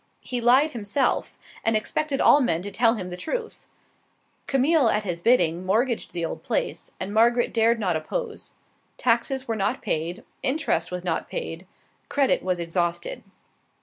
He lied himself, and expected all men to tell him the truth. Camille at his bidding mortgaged the old place, and Margaret dared not oppose. Taxes were not paid; interest was not paid; credit was exhausted.